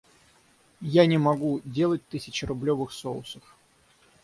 Я не могу делать тысячерублевых соусов.